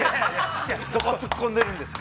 ◆どこ突っ込んでるんですか。